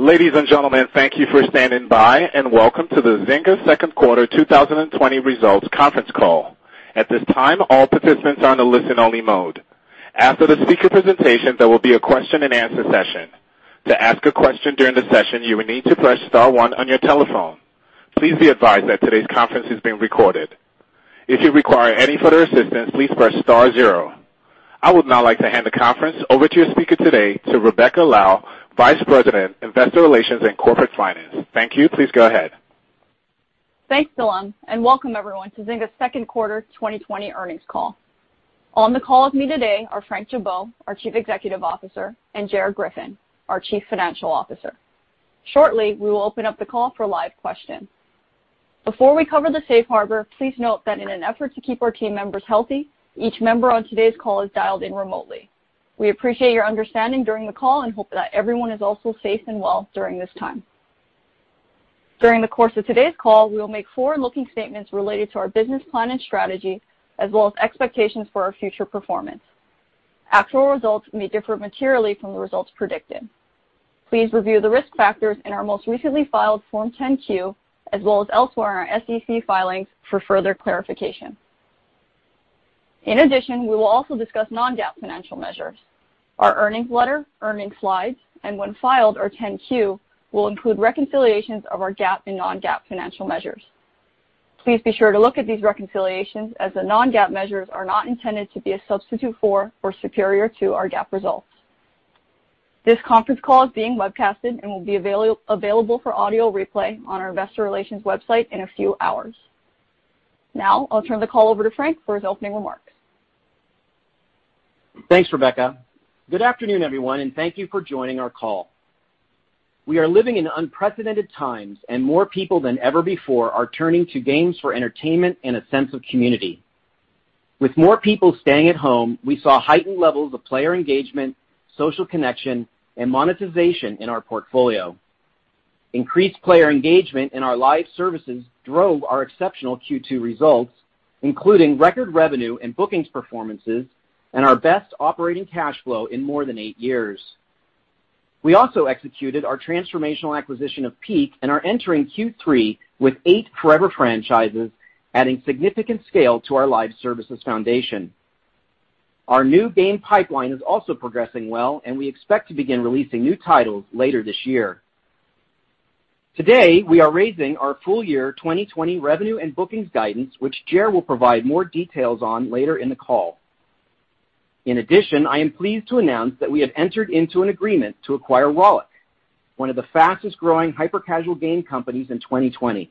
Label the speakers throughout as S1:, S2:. S1: Ladies and gentlemen, thank you for standing by, and welcome to the Zynga second quarter 2020 results conference call. At this time, all participants are on a listen-only mode. After the speaker presentation, there will be a question and answer session. To ask a question during the session, you will need to press star one on your telephone. Please be advised that today's conference is being recorded. If you require any further assistance, please press star zero. I would now like to hand the conference over to your speaker today, to Rebecca Lau, Vice President, Investor Relations and Corporate Finance. Thank you. Please go ahead.
S2: Thanks, Dylan, and welcome everyone to Zynga's second quarter 2020 earnings call. On the call with me today are Frank Gibeau, our Chief Executive Officer, and Gerard Griffin, our Chief Financial Officer. Shortly, we will open up the call for live questions. Before we cover the safe harbor, please note that in an effort to keep our team members healthy, each member on today's call is dialed in remotely. We appreciate your understanding during the call and hope that everyone is also safe and well during this time. During the course of today's call, we will make forward-looking statements related to our business plan and strategy, as well as expectations for our future performance. Actual results may differ materially from the results predicted. Please review the risk factors in our most recently filed Form 10-Q, as well as elsewhere in our SEC filings for further clarification. In addition, we will also discuss non-GAAP financial measures. Our earnings letter, earnings slides, and when filed, our 10-Q, will include reconciliations of our GAAP and non-GAAP financial measures. Please be sure to look at these reconciliations as the non-GAAP measures are not intended to be a substitute for or superior to our GAAP results. This conference call is being webcasted and will be available for audio replay on our investor relations website in a few hours. Now, I'll turn the call over to Frank for his opening remarks.
S3: Thanks, Rebecca. Good afternoon, everyone, and thank you for joining our call. We are living in unprecedented times, and more people than ever before are turning to games for entertainment and a sense of community. With more people staying at home, we saw heightened levels of player engagement, social connection, and monetization in our portfolio. Increased player engagement in our live services drove our exceptional Q2 results, including record revenue and bookings performances and our best operating cash flow in more than eight years. We also executed our transformational acquisition of Peak and are entering Q3 with eight forever franchises, adding significant scale to our live services foundation. Our new game pipeline is also progressing well, and we expect to begin releasing new titles later this year. Today, we are raising our full year 2020 revenue and bookings guidance, which Gerard will provide more details on later in the call. In addition, I am pleased to announce that we have entered into an agreement to acquire Rollic, one of the fastest-growing hyper-casual game companies in 2020.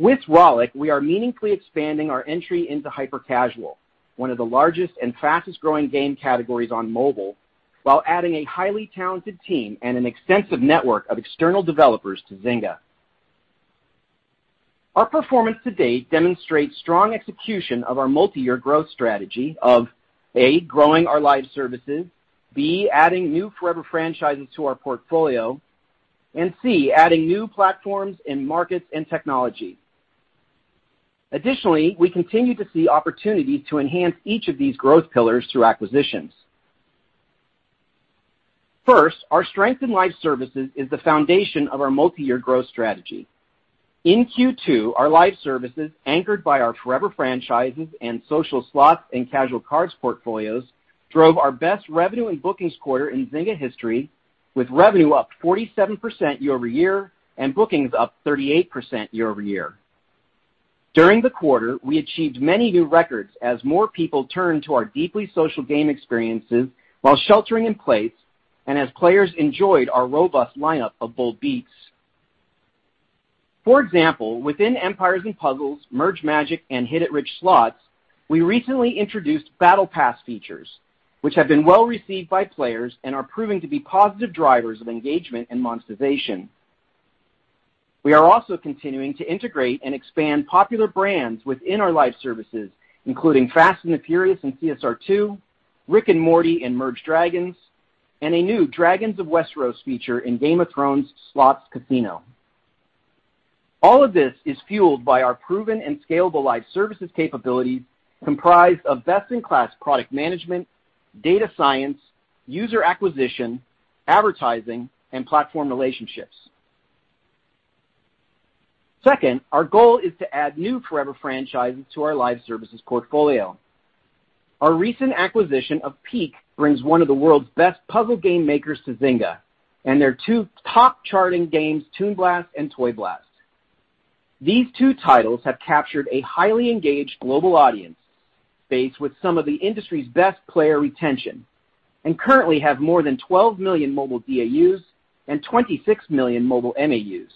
S3: With Rollic, we are meaningfully expanding our entry into hyper-casual, one of the largest and fastest-growing game categories on mobile, while adding a highly talented team and an extensive network of external developers to Zynga. Our performance to date demonstrates strong execution of our multiyear growth strategy of, A, growing our live services, B, adding new forever franchises to our portfolio, and C, adding new platforms and markets and technology. Additionally, we continue to see opportunities to enhance each of these growth pillars through acquisitions. First, our strength in live services is the foundation of our multiyear growth strategy. In Q2, our live services, anchored by our forever franchises and social slots and casual cards portfolios, drove our best revenue and bookings quarter in Zynga history, with revenue up 47% year-over-year and bookings up 38% year-over-year. During the quarter, we achieved many new records as more people turned to our deeply social game experiences while sheltering in place and as players enjoyed our robust lineup of bold beats. For example, within Empires & Puzzles, Merge Magic!, and Hit It Rich! Slots, we recently introduced Battle Pass features, which have been well-received by players and are proving to be positive drivers of engagement and monetization. We are also continuing to integrate and expand popular brands within our live services, including Fast & Furious in CSR 2, Rick and Morty in Merge Dragons!, and a new Dragons of Westeros feature in Game of Thrones Slots Casino. All of this is fueled by our proven and scalable live services capabilities, comprised of best-in-class product management, data science, user acquisition, advertising, and platform relationships. Second, our goal is to add new forever franchises to our live services portfolio. Our recent acquisition of Peak brings one of the world's best puzzle game makers to Zynga and their two top-charting games, Toon Blast and Toy Blast. These two titles have captured a highly engaged global audience base with some of the industry's best player retention and currently have more than 12 million mobile DAUs and 26 million mobile MAUs.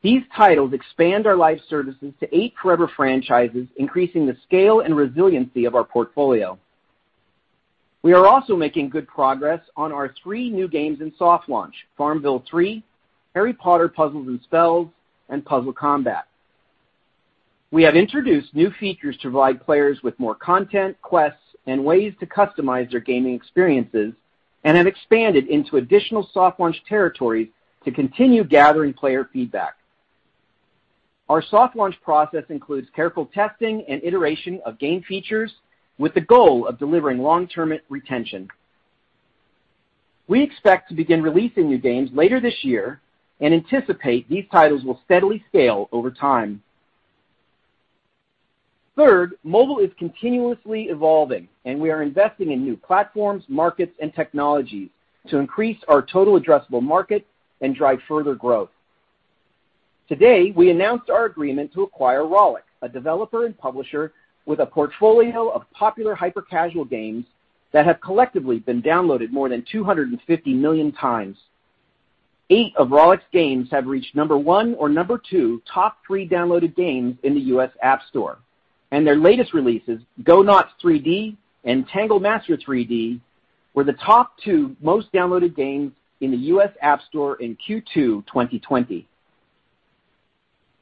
S3: These titles expand our live services to eight forever franchises, increasing the scale and resiliency of our portfolio. We are also making good progress on our three new games in soft launch, FarmVille 3, Harry Potter: Puzzles & Spells, and Puzzle Combat. We have introduced new features to provide players with more content, quests, and ways to customize their gaming experiences, and have expanded into additional soft launch territories to continue gathering player feedback. Our soft launch process includes careful testing and iteration of game features with the goal of delivering long-term retention. We expect to begin releasing new games later this year and anticipate these titles will steadily scale over time. Third, mobile is continuously evolving, and we are investing in new platforms, markets, and technologies to increase our total addressable market and drive further growth. Today, we announced our agreement to acquire Rollic, a developer and publisher with a portfolio of popular hyper-casual games that have collectively been downloaded more than 250 million times. Eight of Rollic's games have reached number one or number two top three downloaded games in the U.S. App Store, and their latest releases, "Go Knots 3D" and "Tangle Master 3D," were the top two most downloaded games in the U.S. App Store in Q2 2020.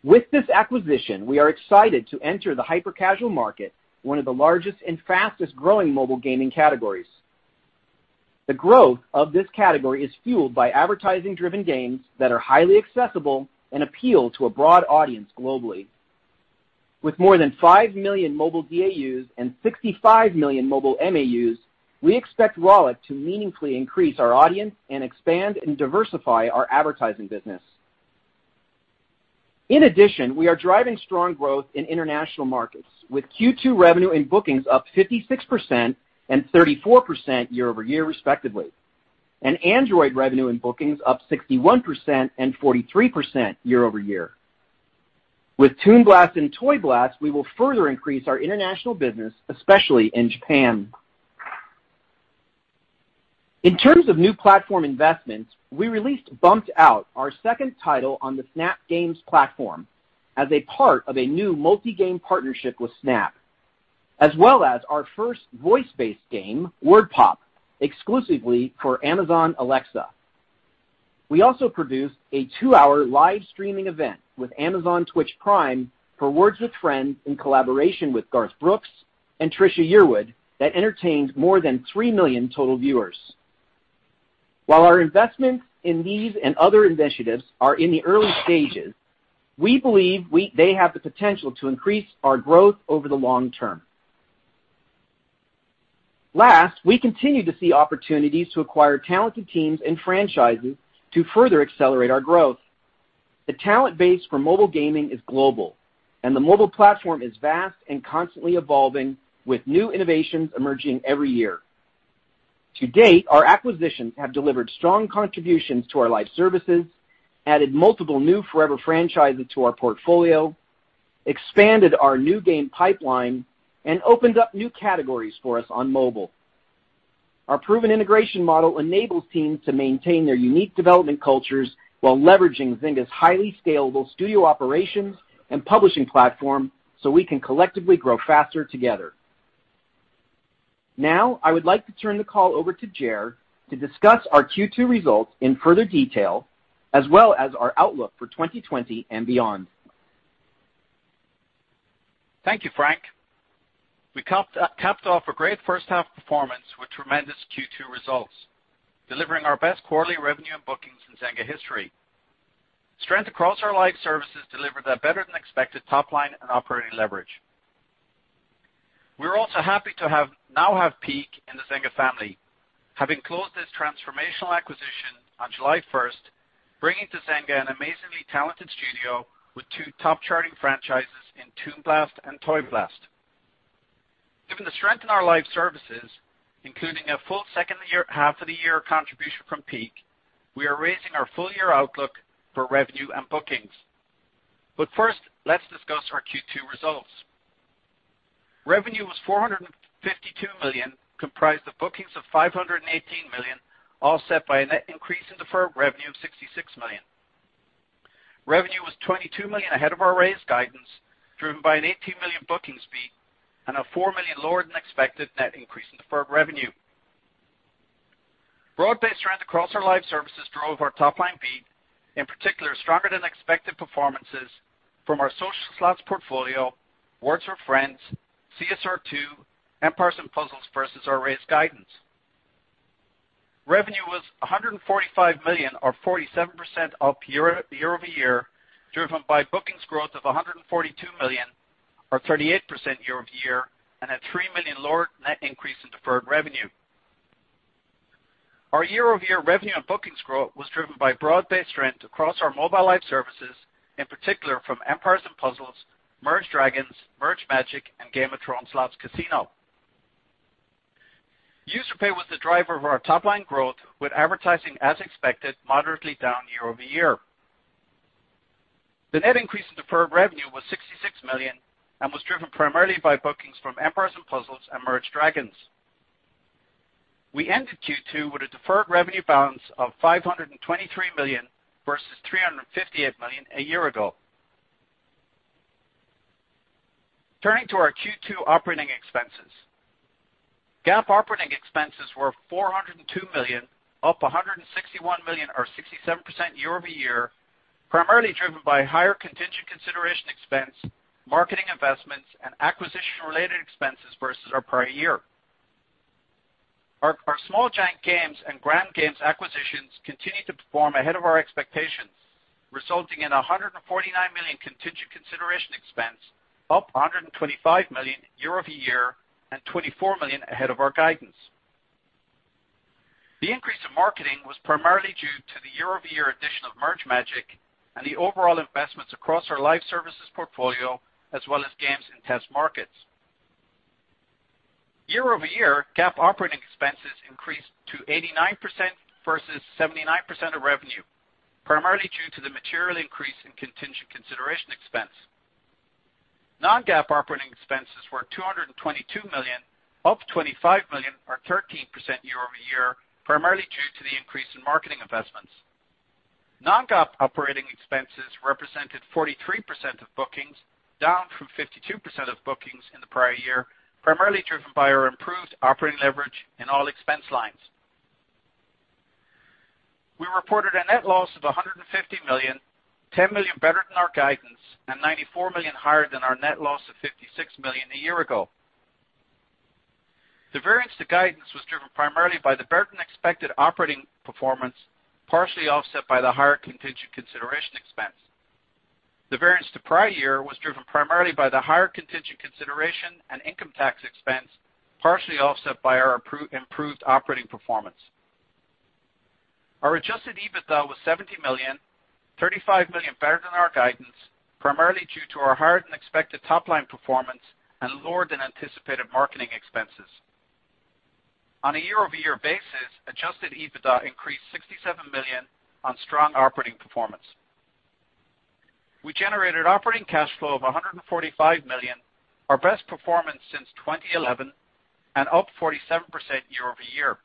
S3: With this acquisition, we are excited to enter the hyper-casual market, one of the largest and fastest-growing mobile gaming categories. The growth of this category is fueled by advertising-driven games that are highly accessible and appeal to a broad audience globally. With more than 5 million mobile DAUs and 65 million mobile MAUs, we expect Rollic to meaningfully increase our audience and expand and diversify our advertising business. In addition, we are driving strong growth in international markets with Q2 revenue and bookings up 56% and 34% year-over-year, respectively, and Android revenue and bookings up 61% and 43% year-over-year. With Toon Blast and Toy Blast, we will further increase our international business, especially in Japan. In terms of new platform investments, we released Bumped Out, our second title on the Snap Games platform as a part of a new multi-game partnership with Snap, as well as our first voice-based game, Word Pop, exclusively for Amazon Alexa. We also produced a two-hour live streaming event with Amazon Twitch Prime for Words With Friends in collaboration with Garth Brooks and Trisha Yearwood that entertained more than 3 million total viewers. While our investments in these and other initiatives are in the early stages, we believe they have the potential to increase our growth over the long term. Last, we continue to see opportunities to acquire talented teams and franchises to further accelerate our growth. The talent base for mobile gaming is global, and the mobile platform is vast and constantly evolving with new innovations emerging every year. To date, our acquisitions have delivered strong contributions to our live services, added multiple new forever franchises to our portfolio, expanded our new game pipeline, and opened up new categories for us on mobile. Our proven integration model enables teams to maintain their unique development cultures while leveraging Zynga's highly scalable studio operations and publishing platform so we can collectively grow faster together. Now, I would like to turn the call over to Ger to discuss our Q2 results in further detail, as well as our outlook for 2020 and beyond.
S4: Thank you, Frank. We capped off a great first half performance with tremendous Q2 results, delivering our best quarterly revenue and bookings in Zynga history. Strength across our live services delivered a better-than-expected top line and operating leverage. We are also happy to now have Peak in the Zynga family, having closed this transformational acquisition on July 1st, bringing to Zynga an amazingly talented studio with two top-charting franchises in "Toon Blast" and "Toy Blast." Given the strength in our live services, including a full second half of the year contribution from Peak, we are raising our full year outlook for revenue and bookings. First, let's discuss our Q2 results. Revenue was $452 million, comprised of bookings of $518 million, offset by by a net increase in deferred revenue of $66 million. Revenue was $22 million ahead of our raised guidance, driven by an $18 million bookings beat and a $4 million lower-than-expected net increase in deferred revenue. Broad-based strength across our live services drove our top-line beat, in particular, stronger-than-expected performances from our social slots portfolio, Words With Friends, CSR2, Empires & Puzzles versus our raised guidance. Revenue was $145 million or 47% up year-over-year, driven by bookings growth of $142 million or 38% year-over-year and a $3 million lower net increase in deferred revenue. Our year-over-year revenue and bookings growth was driven by broad-based strength across our mobile live services, in particular from Empires & Puzzles, Merge Dragons!, Merge Magic!, and Game of Thrones Slots Casino. User pay was the driver of our top-line growth, with advertising as expected moderately down year-over-year. The net increase in deferred revenue was $66 million and was driven primarily by bookings from Empires & Puzzles and Merge Dragons! We ended Q2 with a deferred revenue balance of $523 million versus $358 million a year ago. Turning to our Q2 operating expenses. GAAP operating expenses were $402 million, up $161 million or 67% year-over-year, primarily driven by higher contingent consideration expense, marketing investments, and acquisition-related expenses versus our prior year. Our Small Giant Games and Gram Games acquisitions continue to perform ahead of our expectations, resulting in $149 million contingent consideration expense, up $125 million year-over-year and $24 million ahead of our guidance. The increase in marketing was primarily due to the year-over-year addition of Merge Magic! and the overall investments across our live services portfolio, as well as games in test markets. Year-over-year, GAAP operating expenses increased to 89% versus 79% of revenue, primarily due to the material increase in contingent consideration expense. Non-GAAP operating expenses were $222 million, up $25 million or 13% year-over-year, primarily due to the increase in marketing investments. Non-GAAP operating expenses represented 43% of bookings, down from 52% of bookings in the prior year, primarily driven by our improved operating leverage in all expense lines. We reported a net loss of $150 million, $10 million better than our guidance, and $94 million higher than our net loss of $56 million a year ago. The variance to guidance was driven primarily by the better-than-expected operating performance, partially offset by the higher contingent consideration expense. The variance to prior year was driven primarily by the higher contingent consideration and income tax expense, partially offset by our improved operating performance. Our adjusted EBITDA was $70 million, $35 million better than our guidance, primarily due to our higher-than-expected top-line performance and lower-than-anticipated marketing expenses. On a year-over-year basis, adjusted EBITDA increased $67 million on strong operating performance. We generated operating cash flow of $145 million, our best performance since 2011 and up 47% year-over-year.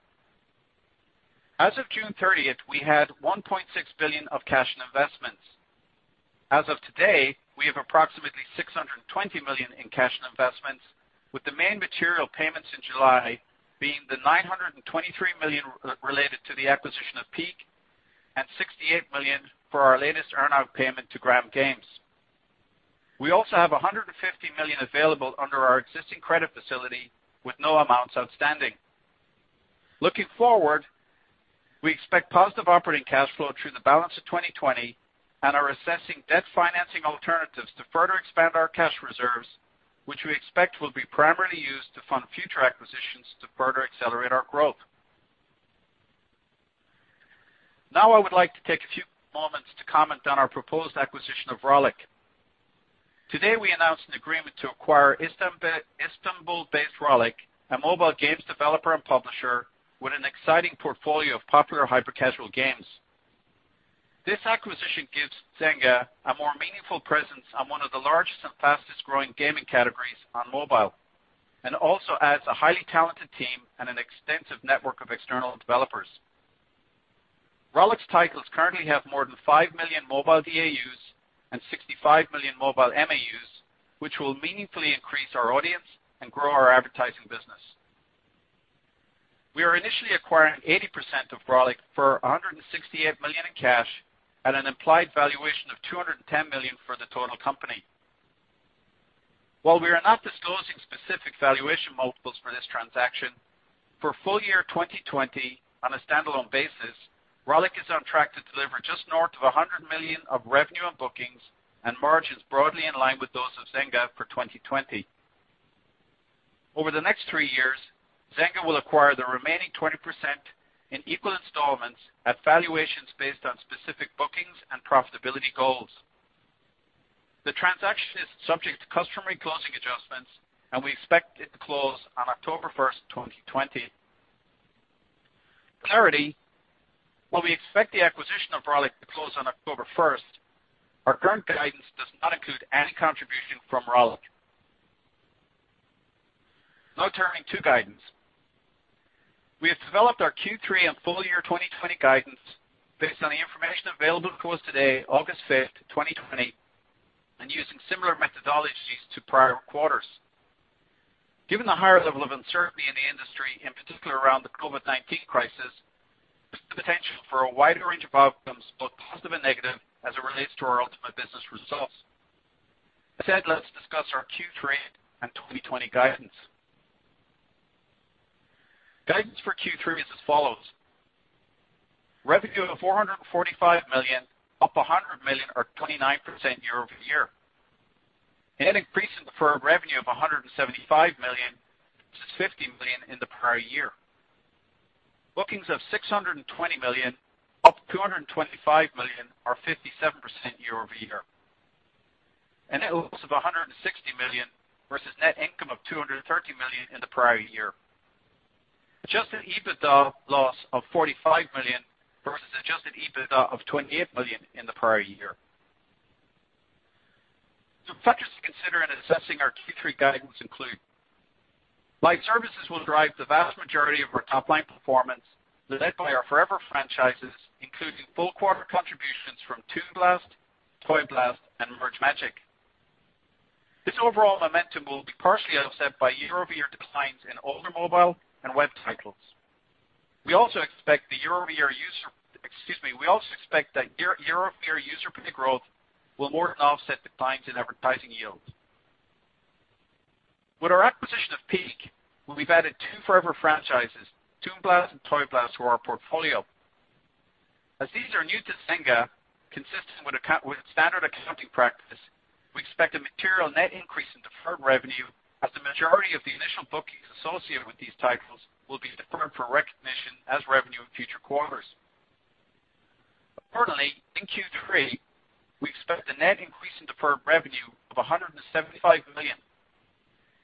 S4: As of June 30th, we had $1.6 billion of cash and investments. As of today, we have approximately $620 million in cash and investments, with the main material payments in July being the $923 million related to the acquisition of Peak and $68 million for our latest earn-out payment to Gram Games. We also have $150 million available under our existing credit facility with no amounts outstanding. Looking forward, we expect positive operating cash flow through the balance of 2020 and are assessing debt financing alternatives to further expand our cash reserves, which we expect will be primarily used to fund future acquisitions to further accelerate our growth. I would like to take a few moments to comment on our proposed acquisition of Rollic. Today, we announced an agreement to acquire Istanbul-based Rollic, a mobile games developer and publisher with an exciting portfolio of popular hyper-casual games. This acquisition gives Zynga a more meaningful presence on one of the largest and fastest-growing gaming categories on mobile and also adds a highly talented team and an extensive network of external developers. Rollic's titles currently have more than 5 million mobile DAUs and 65 million mobile MAUs, which will meaningfully increase our audience and grow our advertising business. We are initially acquiring 80% of Rollic for $168 million in cash at an implied valuation of $210 million for the total company. While we are not disclosing specific valuation multiples for this transaction, for full year 2020 on a standalone basis, Rollic is on track to deliver just north of $100 million of revenue and bookings and margins broadly in line with those of Zynga for 2020. Over the next three years, Zynga will acquire the remaining 20% in equal installments at valuations based on specific bookings and profitability goals. The transaction is subject to customary closing adjustments, and we expect it to close on October 1st, 2020. Clarity, while we expect the acquisition of Rollic to close on October 1st, our current guidance does not include any contribution from Rollic. Now turning to guidance. We have developed our Q3 and full year 2020 guidance based on the information available to us today, August 5th, 2020, and using similar methodologies to prior quarters. Given the higher level of uncertainty in the industry, in particular around the COVID-19 crisis, there's the potential for a wider range of outcomes, both positive and negative, as it relates to our ultimate business results. Let's discuss our Q3 and 2020 guidance. Guidance for Q3 is as follows: revenue of $445 million, up $100 million or 29% year-over-year. A net increase in deferred revenue of $175 million versus $50 million in the prior year. Bookings of $620 million, up $225 million or 57% year-over-year. Net loss of $160 million versus net income of $230 million in the prior year. Adjusted EBITDA loss of $45 million versus adjusted EBITDA of $28 million in the prior year. Some factors to consider in assessing our Q3 guidance include live services will drive the vast majority of our top-line performance, led by our forever franchises, including full quarter contributions from Toy Blast and Merge Magic!. This overall momentum will be partially offset by year-over-year declines in older mobile and web titles. With our acquisition of Peak, we've added two forever franchises, Toon Blast and Toy Blast, to our portfolio. As these are new to Zynga, consistent with standard accounting practice, we expect a material net increase in deferred revenue as the majority of the initial bookings associated with these titles will be deferred for recognition as revenue in future quarters. Accordingly, in Q3, we expect a net increase in deferred revenue of $175 million.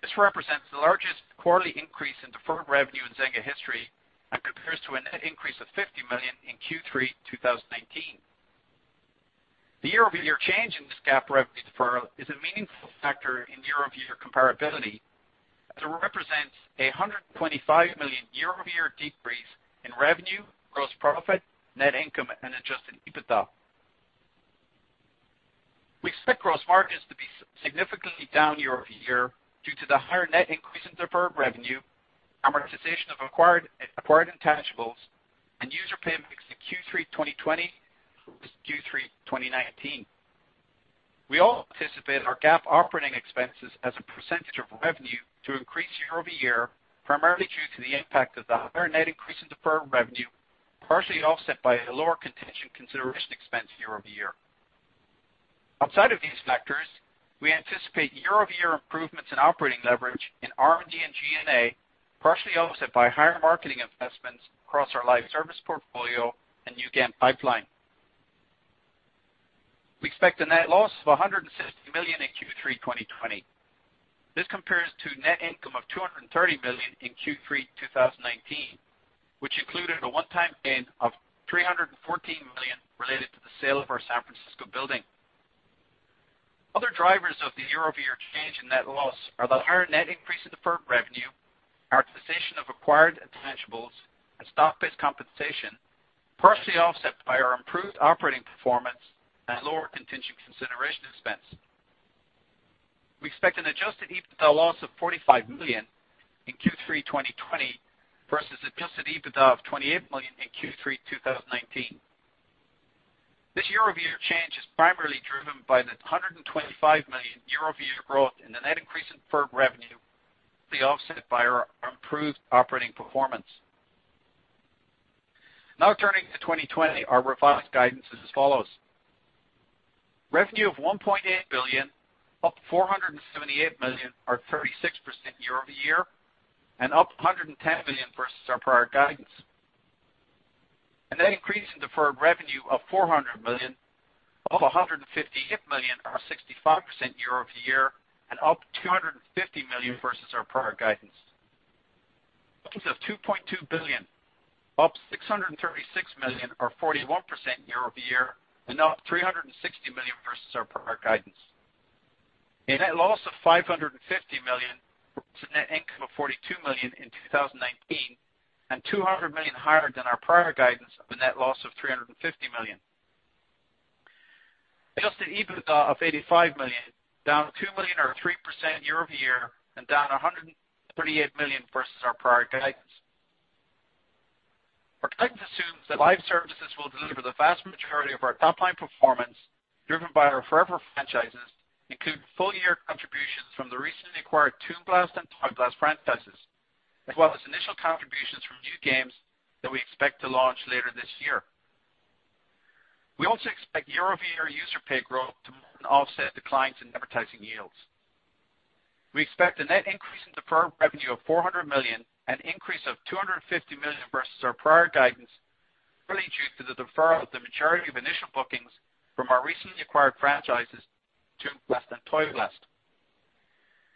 S4: This represents the largest quarterly increase in deferred revenue in Zynga history and compares to a net increase of $50 million in Q3 2019. The year-over-year change in this GAAP revenue deferral is a meaningful factor in year-over-year comparability, as it represents a $125 million year-over-year decrease in revenue, gross profit, net income, and adjusted EBITDA. We expect gross margins to be significantly down year-over-year due to the higher net increase in deferred revenue, amortization of acquired intangibles, and user payments in Q3 2020 versus Q3 2019. We also anticipate our GAAP operating expenses as a percentage of revenue to increase year-over-year, primarily due to the impact of the higher net increase in deferred revenue, partially offset by a lower contingent consideration expense year-over-year. Outside of these factors, we anticipate year-over-year improvements in operating leverage in R&D and G&A, partially offset by higher marketing investments across our live service portfolio and new game pipeline. We expect a net loss of $160 million in Q3 2020. This compares to net income of $230 million in Q3 2019, which included a one-time gain of $314 million related to the sale of our San Francisco building. Other drivers of the year-over-year change in net loss are the higher net increase in deferred revenue, amortization of acquired intangibles, and stock-based compensation, partially offset by our improved operating performance and lower contingent consideration expense. We expect an adjusted EBITDA loss of $45 million in Q3 2020 versus adjusted EBITDA of $28 million in Q3 2019. This year-over-year change is primarily driven by the $125 million year-over-year growth in the net increase in deferred revenue, partially offset by our improved operating performance. Turning to 2020, our revised guidance is as follows. Revenue of $1.8 billion, up $478 million or 36% year-over-year, and up $110 million versus our prior guidance. A net increase in deferred revenue of $400 million, up $158 million or 65% year-over-year, and up $250 million versus our prior guidance. Bookings of $2.2 billion, up $636 million or 41% year-over-year, and up $360 million versus our prior guidance. A net loss of $550 million versus net income of $42 million in 2019, and $200 million higher than our prior guidance of a net loss of $350 million. Adjusted EBITDA of $85 million, down $2 million or 3% year-over-year, and down $138 million versus our prior guidance. Our guidance assumes that live services will deliver the vast majority of our top-line performance, driven by our forever franchises, including full year contributions from the recently acquired Toon Blast and Toy Blast franchises, as well as initial contributions from new games that we expect to launch later this year. We also expect year-over-year user pay growth to more than offset declines in advertising yields. We expect a net increase in deferred revenue of $400 million, an increase of $250 million versus our prior guidance, primarily due to the deferral of the majority of initial bookings from our recently acquired franchises, Toon Blast and Toy Blast.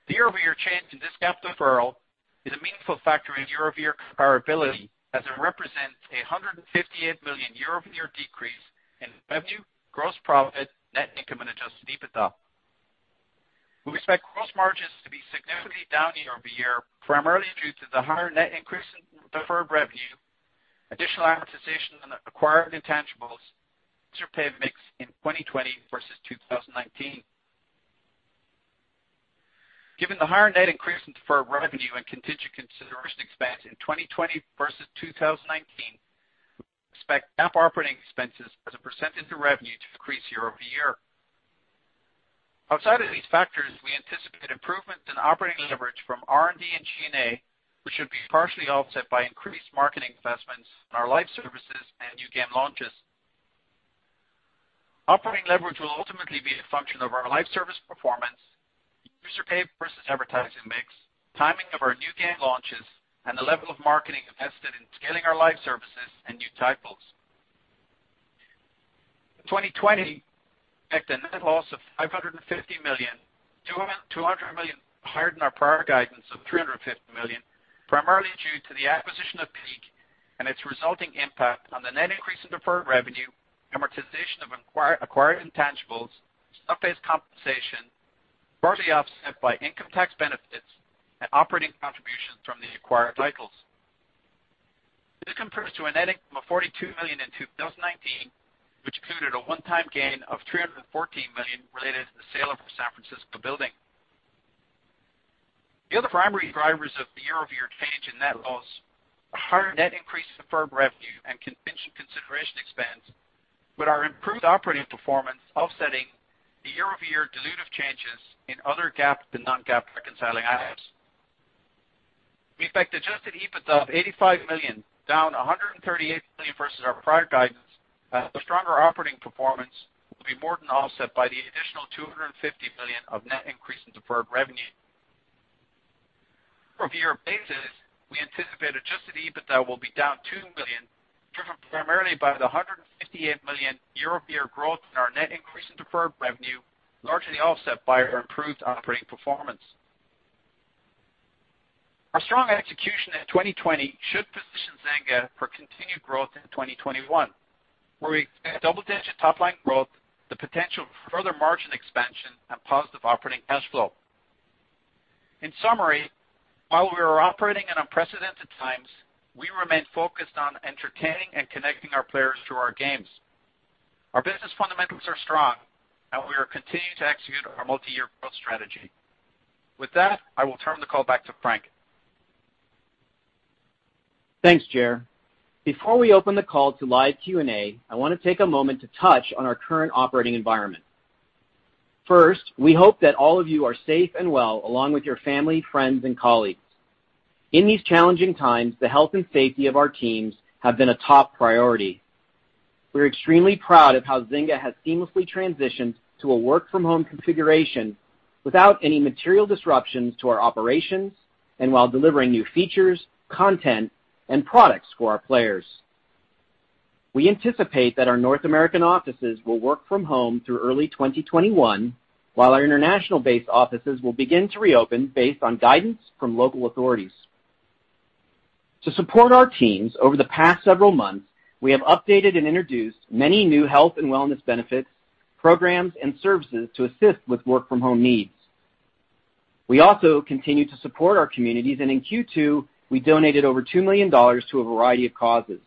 S4: The year-over-year change in this GAAP deferral is a meaningful factor in year-over-year comparability as it represents a $158 million year-over-year decrease in revenue, gross profit, net income, and adjusted EBITDA. We expect gross margins to be significantly down year-over-year, primarily due to the higher net increase in deferred revenue, additional amortization on acquired intangibles, and user pay mix in 2020 versus 2019. Given the higher net increase in deferred revenue and contingent consideration expense in 2020 versus 2019, we expect GAAP operating expenses as a percentage of revenue to decrease year-over-year. Outside of these factors, we anticipate improvements in operating leverage from R&D and G&A, which would be partially offset by increased marketing investments in our live services and new game launches. Operating leverage will ultimately be a function of our live service performance, user pay versus advertising mix, timing of our new game launches, and the level of marketing invested in scaling our live services and new titles. In 2020, we expect a net loss of $550 million, $200 million higher than our prior guidance of $350 million, primarily due to the acquisition of Peak and its resulting impact on the net increase in deferred revenue, amortization of acquired intangibles, and stock-based compensation, partially offset by income tax benefits and operating contributions from the acquired titles. This compares to a net income of $42 million in 2019, which included a one-time gain of $314 million related to the sale of our San Francisco building. The other primary drivers of the year-over-year change in net loss are higher net increase in deferred revenue and contingent consideration expense, with our improved operating performance offsetting the year-over-year dilutive changes in other GAAP and non-GAAP reconciling items. We expect adjusted EBITDA of $85 million, down $138 million versus our prior guidance, as the stronger operating performance will be more than offset by the additional $250 million of net increase in deferred revenue. On a year-over-year basis, we anticipate adjusted EBITDA will be down $2 million, driven primarily by the $158 million year-over-year growth in our net increase in deferred revenue, largely offset by our improved operating performance. Our strong execution in 2020 should position Zynga for continued growth in 2021, where we expect double-digit top-line growth, the potential for further margin expansion, and positive operating cash flow. In summary, while we are operating in unprecedented times, we remain focused on entertaining and connecting our players through our games. Our business fundamentals are strong, and we are continuing to execute our multi-year growth strategy. With that, I will turn the call back to Frank.
S3: Thanks, Ger. Before we open the call to live Q&A, I want to take a moment to touch on our current operating environment. First, we hope that all of you are safe and well along with your family, friends, and colleagues. In these challenging times, the health and safety of our teams have been a top priority. We're extremely proud of how Zynga has seamlessly transitioned to a work-from-home configuration without any material disruptions to our operations and while delivering new features, content, and products for our players. We anticipate that our North American offices will work from home through early 2021, while our international-based offices will begin to reopen based on guidance from local authorities. To support our teams over the past several months, we have updated and introduced many new health and wellness benefits, programs, and services to assist with work-from-home needs. We also continue to support our communities. In Q2, we donated over $2 million to a variety of causes.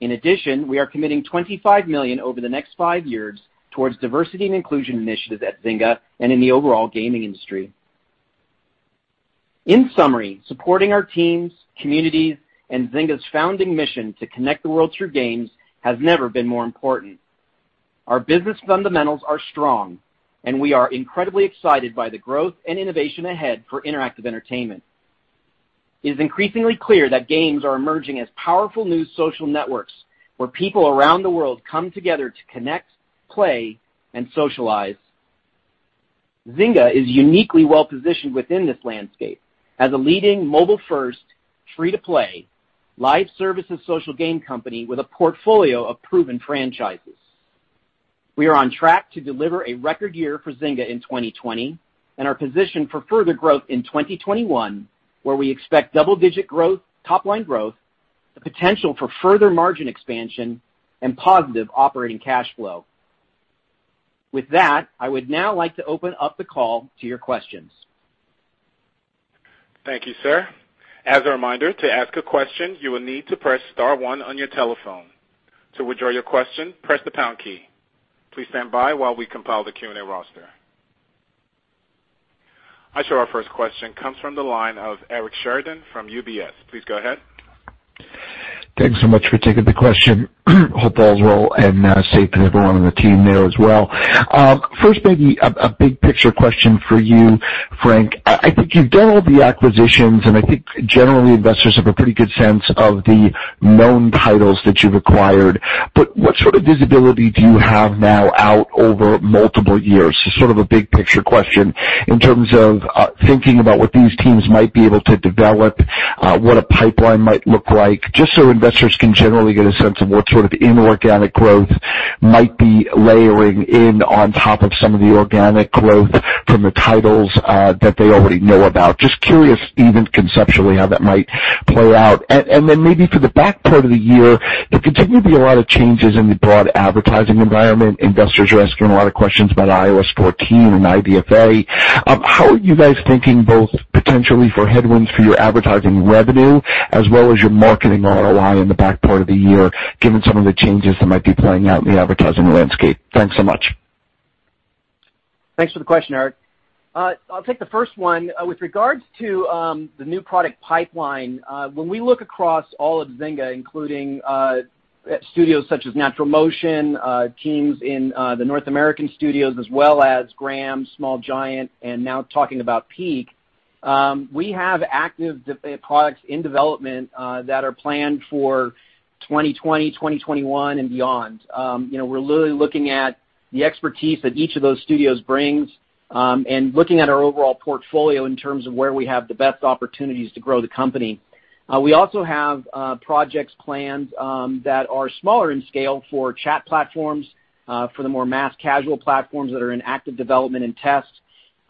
S3: In addition, we are committing $25 million over the next five years towards diversity and inclusion initiatives at Zynga and in the overall gaming industry. In summary, supporting our teams, communities, and Zynga's founding mission to connect the world through games has never been more important. Our business fundamentals are strong. We are incredibly excited by the growth and innovation ahead for interactive entertainment. It is increasingly clear that games are emerging as powerful new social networks where people around the world come together to connect, play, and socialize. Zynga is uniquely well-positioned within this landscape as a leading mobile-first, free-to-play live services social game company with a portfolio of proven franchises. We are on track to deliver a record year for Zynga in 2020 and are positioned for further growth in 2021, where we expect double-digit top-line growth, the potential for further margin expansion, and positive operating cash flow. With that, I would now like to open up the call to your questions.
S1: Thank you, sir. As a reminder, to ask a question, you will need to press star one on your telephone. To withdraw your question, press the pound key. Please stand by while we compile the Q&A roster. I show our first question comes from the line of Eric Sheridan from UBS. Please go ahead.
S5: Thanks so much for taking the question. Hope all is well and safe for everyone on the team there as well. First, maybe a big-picture question for you, Frank. I think you've done all the acquisitions, and I think generally investors have a pretty good sense of the known titles that you've acquired. What sort of visibility do you have now out over multiple years? Sort of a big-picture question in terms of thinking about what these teams might be able to develop, what a pipeline might look like, just so investors can generally get a sense of what sort of inorganic growth might be layering in on top of some of the organic growth from the titles that they already know about. Just curious, even conceptually, how that might play out. Maybe for the back part of the year, there continue to be a lot of changes in the broad advertising environment. Investors are asking a lot of questions about iOS 14 and IDFA. How are you guys thinking both potentially for headwinds for your advertising revenue as well as your marketing ROI in the back part of the year, given some of the changes that might be playing out in the advertising landscape? Thanks so much.
S3: Thanks for the question, Eric. I'll take the first one. With regards to the new product pipeline, when we look across all of Zynga, including studios such as NaturalMotion, teams in the North American studios, as well as Gram, Small Giant, and now talking about Peak, we have active products in development that are planned for 2020, 2021, and beyond. We're really looking at the expertise that each of those studios brings and looking at our overall portfolio in terms of where we have the best opportunities to grow the company. We also have projects planned that are smaller in scale for chat platforms, for the more mass casual platforms that are in active development and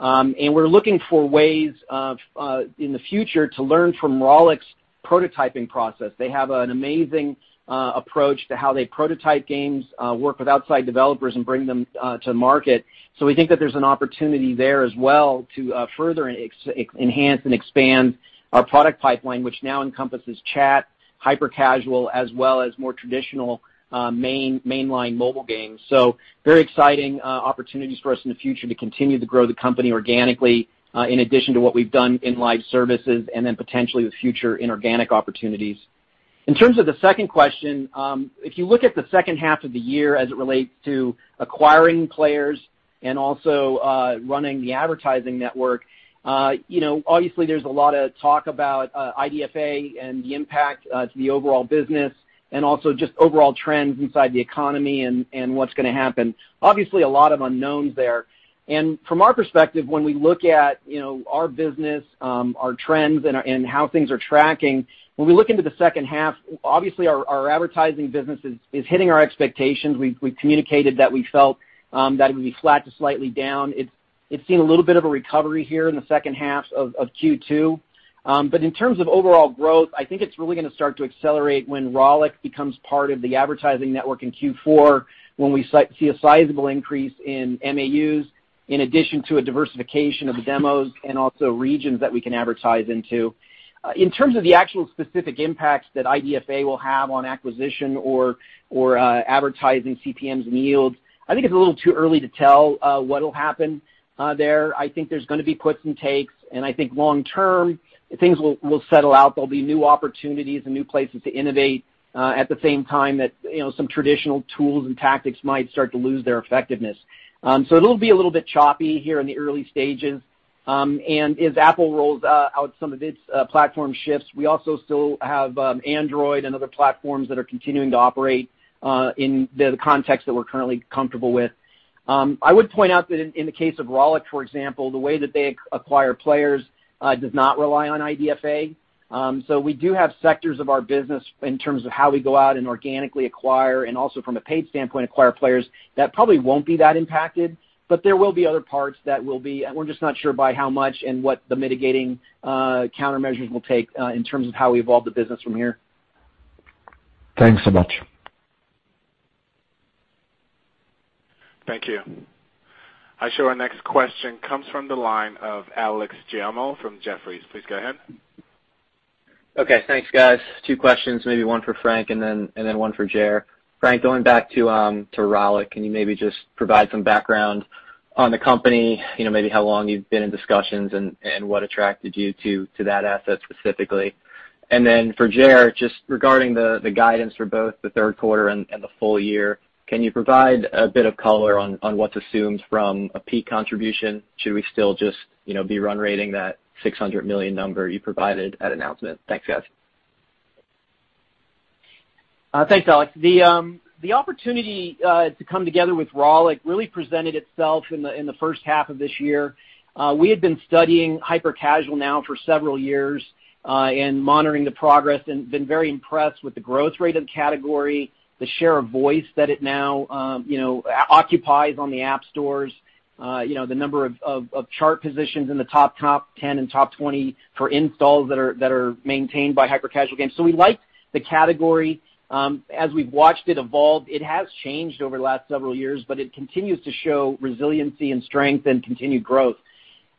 S3: test. We're looking for ways in the future to learn from Rollic's prototyping process. They have an amazing approach to how they prototype games, work with outside developers, and bring them to market. We think that there's an opportunity there as well to further enhance and expand our product pipeline, which now encompasses chat, hyper-casual, as well as more traditional mainline mobile games. Very exciting opportunities for us in the future to continue to grow the company organically in addition to what we've done in live services and then potentially with future inorganic opportunities. In terms of the second question, if you look at the second half of the year as it relates to acquiring players and also running the advertising network. Obviously, there's a lot of talk about IDFA and the impact to the overall business and also just overall trends inside the economy and what's going to happen. Obviously, a lot of unknowns there. From our perspective, when we look at our business, our trends, and how things are tracking, when we look into the second half, obviously our advertising business is hitting our expectations. We communicated that we felt that it would be flat to slightly down. It's seen a little bit of a recovery here in the second half of Q2. In terms of overall growth, I think it's really going to start to accelerate when Rollic becomes part of the advertising network in Q4, when we see a sizable increase in MAUs, in addition to a diversification of the demos and also regions that we can advertise into. In terms of the actual specific impacts that IDFA will have on acquisition or advertising CPMs and yields, I think it's a little too early to tell what'll happen there. I think there's going to be puts and takes, and I think long term, things will settle out. There'll be new opportunities and new places to innovate, at the same time that some traditional tools and tactics might start to lose their effectiveness. It'll be a little bit choppy here in the early stages. As Apple rolls out some of its platform shifts, we also still have Android and other platforms that are continuing to operate in the context that we're currently comfortable with. I would point out that in the case of Rollic, for example, the way that they acquire players does not rely on IDFA. We do have sectors of our business in terms of how we go out and organically acquire, and also from a paid standpoint, acquire players that probably won't be that impacted, but there will be other parts that will be. We're just not sure by how much and what the mitigating countermeasures will take in terms of how we evolve the business from here.
S5: Thanks so much.
S1: Thank you. I show our next question comes from the line of Alex Giaimo from Jefferies. Please go ahead.
S6: Okay. Thanks, guys. Two questions, maybe one for Frank and then one for Ger. Frank, going back to Rollic, can you maybe just provide some background on the company, maybe how long you've been in discussions and what attracted you to that asset specifically? For Ger, just regarding the guidance for both the third quarter and the full year, can you provide a bit of color on what's assumed from a Peak contribution? Should we still just be run rating that $600 million number you provided at announcement? Thanks, guys.
S3: Thanks, Alex. The opportunity to come together with Rollic really presented itself in the first half of this year. We had been studying hyper-casual now for several years, and monitoring the progress and been very impressed with the growth rate of the category, the share of voice that it now occupies on the app stores. The number of chart positions in the top 10 and top 20 for installs that are maintained by hyper-casual games. We like the category. As we've watched it evolve, it has changed over the last several years, but it continues to show resiliency and strength and continued growth.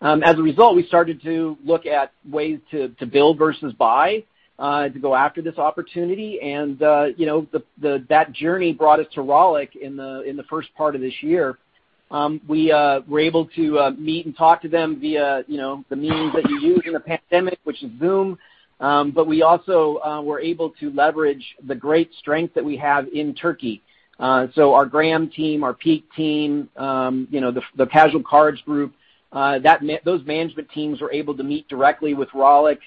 S3: As a result, we started to look at ways to build versus buy to go after this opportunity. That journey brought us to Rollic in the first part of this year. We were able to meet and talk to them via the means that you use in a pandemic, which is Zoom. We also were able to leverage the great strength that we have in Turkey. Our Gram team, our Peak team, the Casual Cards group, those management teams were able to meet directly with Rollic,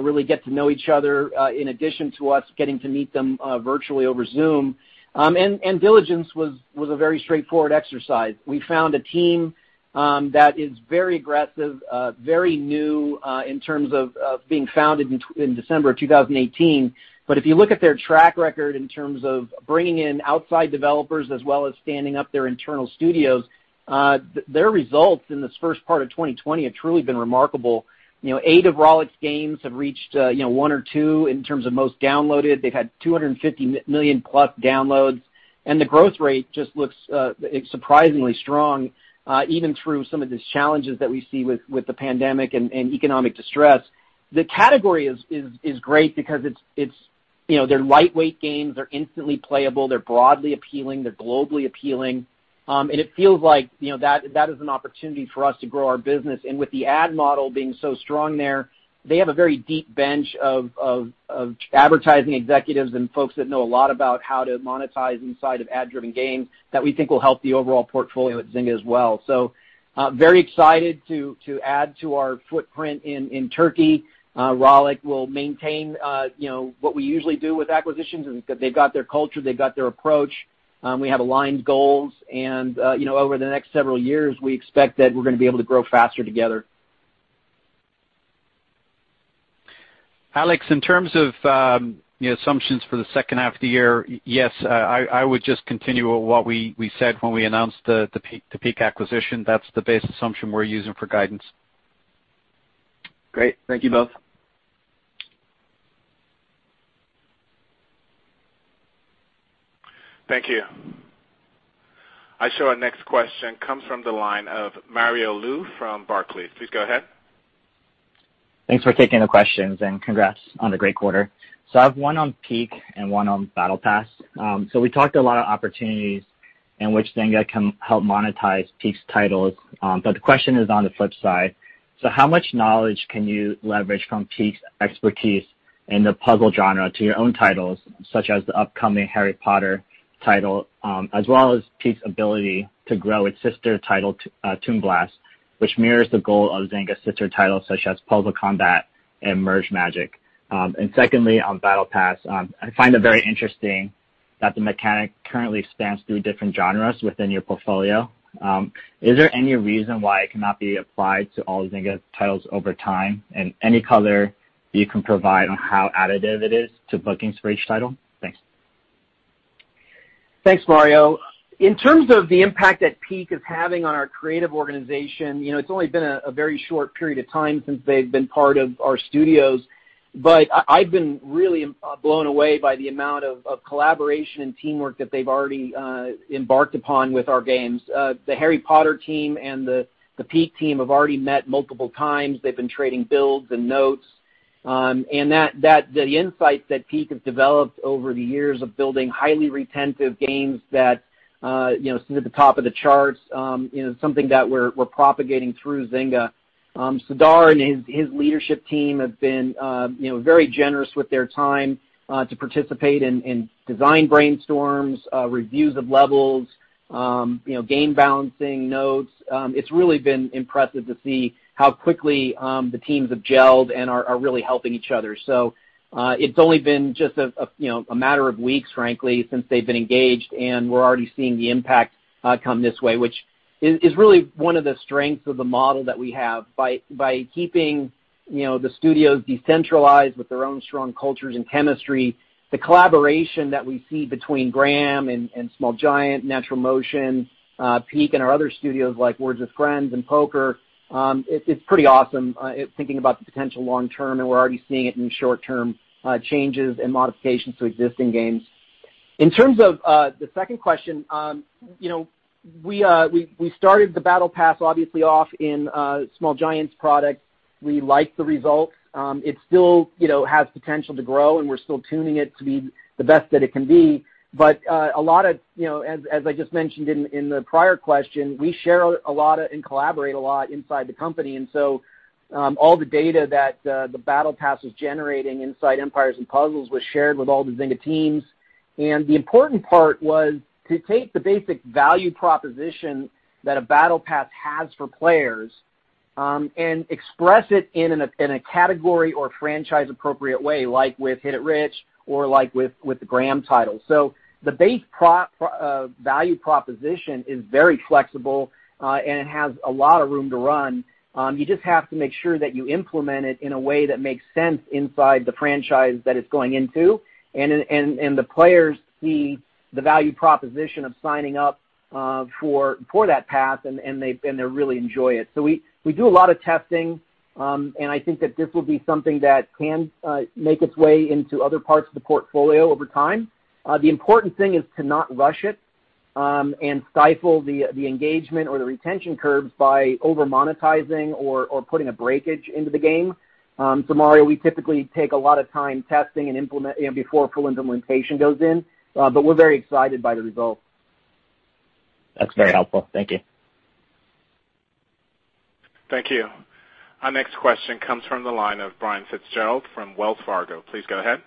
S3: really get to know each other, in addition to us getting to meet them virtually over Zoom. Diligence was a very straightforward exercise. We found a team that is very aggressive, very new in terms of being founded in December of 2018. If you look at their track record in terms of bringing in outside developers as well as standing up their internal studios, their results in this first part of 2020 have truly been remarkable. Eight of Rollic's games have reached one or two in terms of most downloaded. They've had 250 million+ downloads, and the growth rate just looks surprisingly strong, even through some of the challenges that we see with the pandemic and economic distress. The category is great because they're lightweight games, they're instantly playable, they're broadly appealing, they're globally appealing. It feels like that is an opportunity for us to grow our business. With the ad model being so strong there, they have a very deep bench of advertising executives and folks that know a lot about how to monetize inside of ad-driven games that we think will help the overall portfolio at Zynga as well. Very excited to add to our footprint in Turkey. Rollic will maintain what we usually do with acquisitions. They've got their culture, they've got their approach. We have aligned goals and over the next several years, we expect that we're going to be able to grow faster together.
S4: Alex, in terms of the assumptions for the second half of the year, yes, I would just continue what we said when we announced the Peak acquisition. That's the base assumption we're using for guidance.
S6: Great. Thank you both.
S1: Thank you. I show our next question comes from the line of Mario Lu from Barclays. Please go ahead.
S7: Thanks for taking the questions and congrats on the great quarter. I have one on Peak and one on Battle Pass. We talked a lot of opportunities and which Zynga can help monetize Peak's titles. The question is on the flip side. How much knowledge can you leverage from Peak's expertise in the puzzle genre to your own titles, such as the upcoming Harry Potter title, as well as Peak's ability to grow its sister title, Toon Blast, which mirrors the goal of Zynga sister titles such as Puzzle Combat and Merge Magic!. Secondly, on Battle Pass, I find it very interesting that the mechanic currently spans through different genres within your portfolio. Is there any reason why it cannot be applied to all Zynga titles over time? Any color you can provide on how additive it is to bookings for each title? Thanks.
S3: Thanks, Mario. In terms of the impact that Peak is having on our creative organization, it's only been a very short period of time since they've been part of our studios. I've been really blown away by the amount of collaboration and teamwork that they've already embarked upon with our games. The Harry Potter team and the Peak team have already met multiple times. They've been trading builds and notes. The insights that Peak have developed over the years of building highly retentive games that sit at the top of the charts, something that we're propagating through Zynga. Sidar and his leadership team have been very generous with their time to participate in design brainstorms, reviews of levels, game balancing notes. It's really been impressive to see how quickly the teams have gelled and are really helping each other. It's only been just a matter of weeks, frankly, since they've been engaged, and we're already seeing the impact come this way, which is really one of the strengths of the model that we have by keeping the studios decentralized with their own strong cultures and chemistry. The collaboration that we see between Gram and Small Giant, NaturalMotion, Peak, and our other studios, like Words With Friends and Poker, it's pretty awesome, thinking about the potential long term, and we're already seeing it in short-term changes and modifications to existing games. In terms of the second question, we started the Battle Pass, obviously, off in Small Giant's product. We liked the result. It still has potential to grow, and we're still tuning it to be the best that it can be. As I just mentioned in the prior question, we share a lot and collaborate a lot inside the company. All the data that the Battle Pass was generating inside Empires & Puzzles was shared with all the Zynga teams. The important part was to take the basic value proposition that a Battle Pass has for players and express it in a category or franchise-appropriate way, like with Hit It Rich or with the Gram title. The base value proposition is very flexible, and it has a lot of room to run. You just have to make sure that you implement it in a way that makes sense inside the franchise that it's going into, and the players see the value proposition of signing up for that pass, and they really enjoy it. We do a lot of testing, and I think that this will be something that can make its way into other parts of the portfolio over time. The important thing is to not rush it and stifle the engagement or the retention curves by over-monetizing or putting a breakage into the game. Mario, we typically take a lot of time testing before full implementation goes in, but we're very excited by the results.
S7: That's very helpful. Thank you.
S1: Thank you. Our next question comes from the line of Brian Fitzgerald from Wells Fargo. Please go ahead.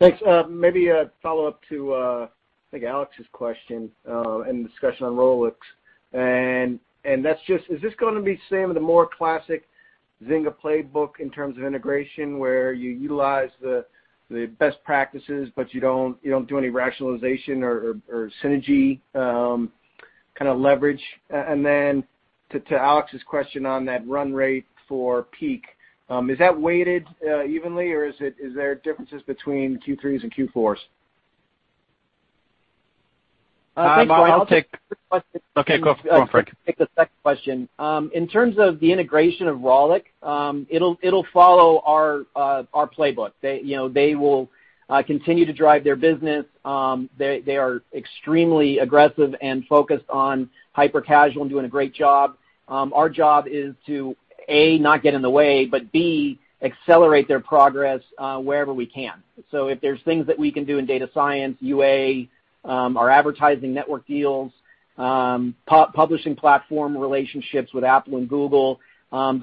S8: Thanks. Maybe a follow-up to, I think, Alex's question and discussion on Rollic. That's just, is this going to be staying with the more classic Zynga playbook in terms of integration, where you utilize the best practices, but you don't do any rationalization or synergy kind of leverage? Then to Alex's question on that run rate for Peak, is that weighted evenly, or is there differences between Q3s and Q4s?
S3: Thanks, Brian.
S4: Okay, go for it.
S3: I'll take the second question. In terms of the integration of Rollic, it'll follow our playbook. They will continue to drive their business. They are extremely aggressive and focused on hyper-casual and doing a great job. Our job is to, A, not get in the way, but B, accelerate their progress wherever we can. If there's things that we can do in data science, UA, our advertising network deals, publishing platform relationships with Apple and Google, all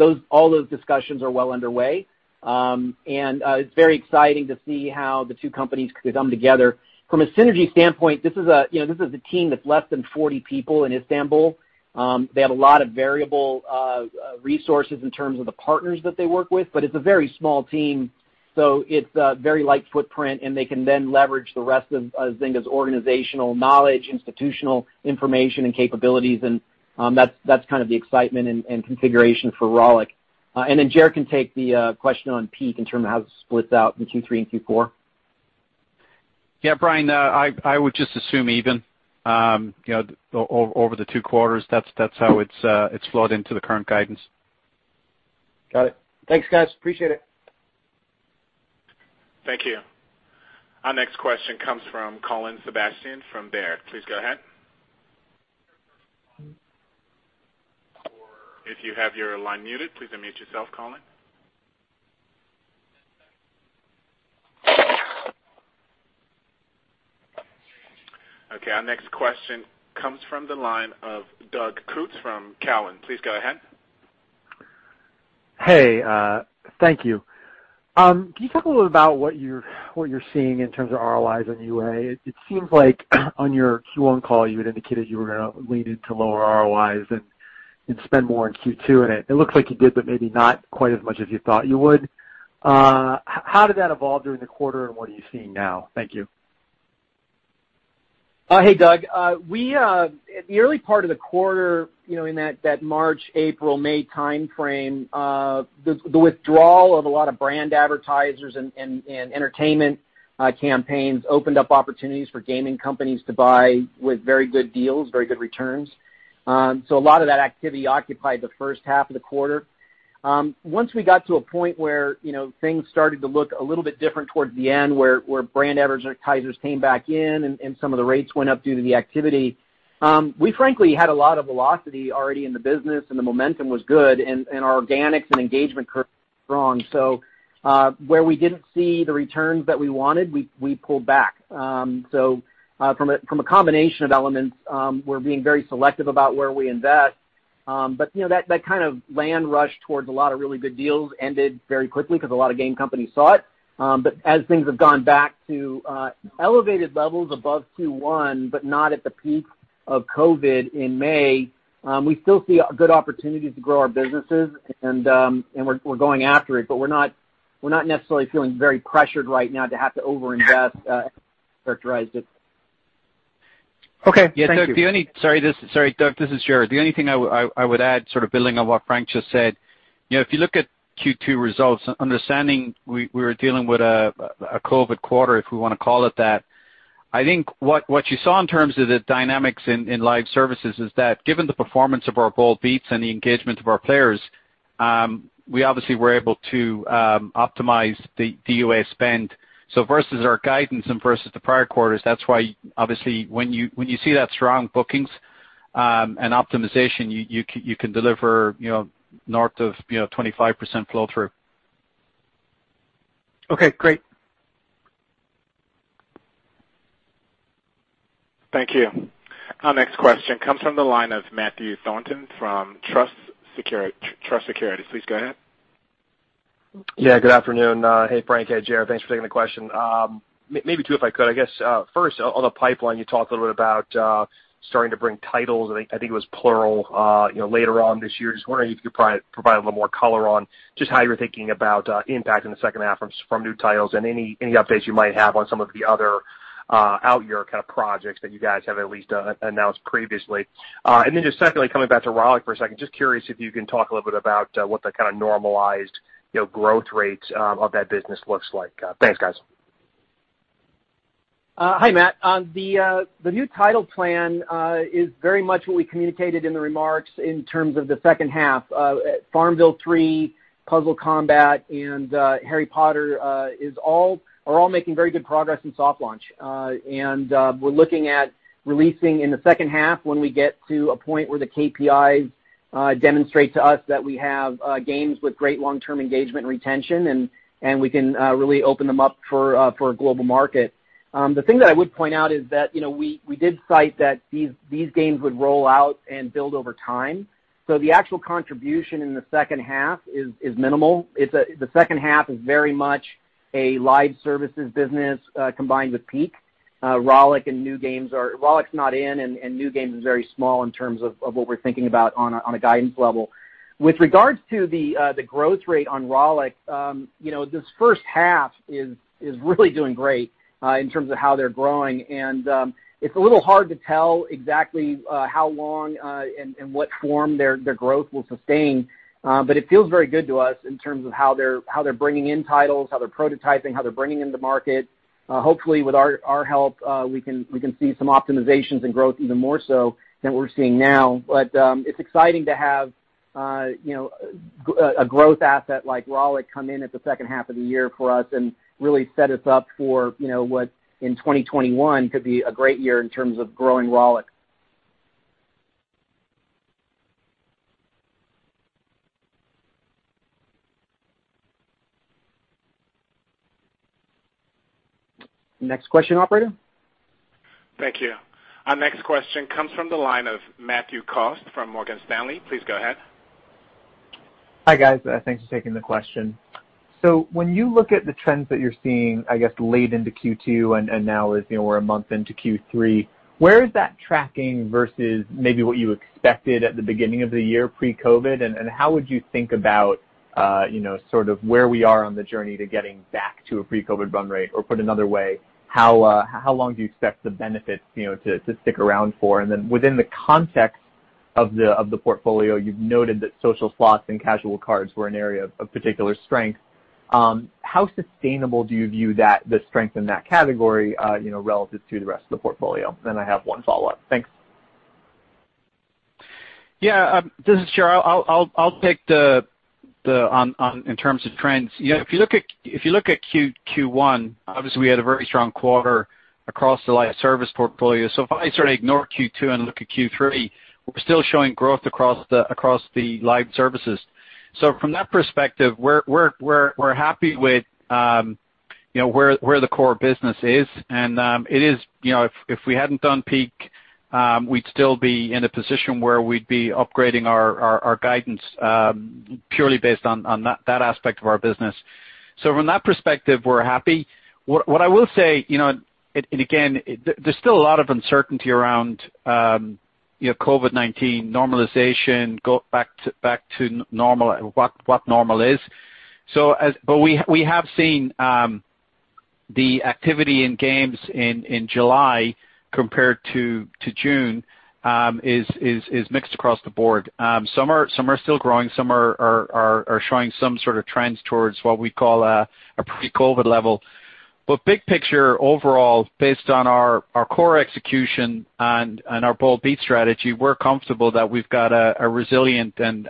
S3: those discussions are well underway. It's very exciting to see how the two companies could come together. From a synergy standpoint, this is a team that's less than 40 people in Istanbul. They have a lot of variable resources in terms of the partners that they work with, but it's a very small team, so it's a very light footprint, and they can then leverage the rest of Zynga's organizational knowledge, institutional information, and capabilities, and that's kind of the excitement and configuration for Rollic. Gerard can take the question on Peak in terms of how this splits out in Q3 and Q4.
S4: Yeah, Brian, I would just assume even over the two quarters. That's how it's flowed into the current guidance.
S8: Got it. Thanks, guys. Appreciate it.
S1: Thank you. Our next question comes from Colin Sebastian from Baird. Please go ahead. If you have your line muted, please unmute yourself, Colin. Okay. Our next question comes from the line of Doug Creutz from Cowen. Please go ahead.
S9: Hey, thank you. Can you talk a little about what you're seeing in terms of ROIs on UA? It seems like on your Q1 call, you had indicated you were going to lean into lower ROIs and spend more in Q2, and it looks like you did, but maybe not quite as much as you thought you would. How did that evolve during the quarter, and what are you seeing now? Thank you.
S3: Hey, Doug. The early part of the quarter, in that March, April, May timeframe, the withdrawal of a lot of brand advertisers and entertainment campaigns opened up opportunities for gaming companies to buy with very good deals, very good returns. A lot of that activity occupied the first half of the quarter. Once we got to a point where things started to look a little bit different towards the end, where brand advertisers came back in and some of the rates went up due to the activity, we frankly had a lot of velocity already in the business and the momentum was good and our organics and engagement curves were strong. Where we didn't see the returns that we wanted, we pulled back. From a combination of elements, we're being very selective about where we invest. That kind of land rush towards a lot of really good deals ended very quickly because a lot of game companies saw it. As things have gone back to elevated levels above Q1 but not at the peak of COVID-19 in May, we still see good opportunities to grow our businesses and we're going after it. We're not necessarily feeling very pressured right now to have to over-invest, characterize it.
S9: Okay. Thank you.
S4: Sorry, Doug, this is Gerard. The only thing I would add, sort of building on what Frank just said, if you look at Q2 results, understanding we were dealing with a COVID quarter, if we want to call it that. I think what you saw in terms of the dynamics in live services is that given the performance of our bold beats and the engagement of our players, we obviously were able to optimize the UA spend. Versus our guidance and versus the prior quarters, that's why obviously when you see that strong bookings and optimization, you can deliver north of 25% flow-through.
S9: Okay, great.
S1: Thank you. Our next question comes from the line of Matthew Thornton from Truist Securities. Please go ahead.
S10: Good afternoon. Hey, Frank. Hey, Gerard. Thanks for taking the question. Maybe two, if I could. I guess first on the pipeline, you talked a little bit about starting to bring titles, I think it was plural, later on this year. Just wondering if you could provide a little more color on just how you're thinking about impact in the second half from new titles and any updates you might have on some of the other out year kind of projects that you guys have at least announced previously. Then just secondly coming back to Rollic for a second, just curious if you can talk a little bit about what the kind of normalized growth rates of that business looks like. Thanks, guys.
S3: Hi, Matt. The new title plan is very much what we communicated in the remarks in terms of the second half. FarmVille 3, Puzzle Combat, and Harry Potter are all making very good progress in soft launch. We're looking at releasing in the second half when we get to a point where the KPIs demonstrate to us that we have games with great long-term engagement and retention, and we can really open them up for a global market. The thing that I would point out is that we did cite that these games would roll out and build over time. The actual contribution in the second half is minimal. The second half is very much a live services business combined with Peak. Rollic's not in, and New Games is very small in terms of what we're thinking about on a guidance level. With regards to the growth rate on Rollic, this first half is really doing great in terms of how they're growing. It's a little hard to tell exactly how long and what form their growth will sustain. It feels very good to us in terms of how they're bringing in titles, how they're prototyping, how they're bringing in the market. Hopefully with our help, we can see some optimizations and growth even more so than what we're seeing now. It's exciting to have a growth asset like Rollic come in at the second half of the year for us and really set us up for what in 2021 could be a great year in terms of growing Rollic.
S4: Next question, operator.
S1: Thank you. Our next question comes from the line of Matthew Cost from Morgan Stanley. Please go ahead.
S11: Hi, guys. Thanks for taking the question. When you look at the trends that you're seeing, I guess, late into Q2, and now as we're a month into Q3, where is that tracking versus maybe what you expected at the beginning of the year pre-COVID-19? How would you think about sort of where we are on the journey to getting back to a pre-COVID-19 run rate? Or put another way, how long do you expect the benefits to stick around for? Within the context of the portfolio, you've noted that social slots and casual cards were an area of particular strength. How sustainable do you view the strength in that category relative to the rest of the portfolio? I have one follow-up. Thanks.
S4: Yeah. This is Gerard. I'll take in terms of trends. If you look at Q1, obviously we had a very strong quarter across the live service portfolio. If I sort of ignore Q2 and look at Q3, we're still showing growth across the live services. From that perspective, we're happy with where the core business is, and if we hadn't done Peak, we'd still be in a position where we'd be upgrading our guidance purely based on that aspect of our business. From that perspective, we're happy. What I will say, and again, there's still a lot of uncertainty around COVID-19 normalization, go back to normal, and what normal is. We have seen the activity in games in July compared to June is mixed across the board. Some are still growing, some are showing some sort of trends towards what we call a pre-COVID level. Big picture overall, based on our core execution and our bold beat strategy, we're comfortable that we've got a resilient and